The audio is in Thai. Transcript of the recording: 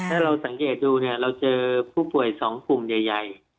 ถ้าเราสังเกตดูเราเจอผู้ป่วยสองคุมใหญ่